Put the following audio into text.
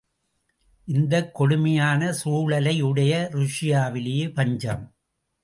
இந்தக் கொடுமையான சூழலையுடைய ருஷ்யாவிலே பஞ்சம்.